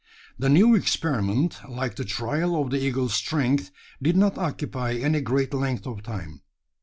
The new experiment, like the trial of the eagle's strength, did not occupy any great length of time.